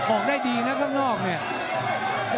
ออกได้ดีนะข้างนอกเนี่ย